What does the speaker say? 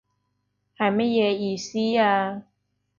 係乜嘢意思啊？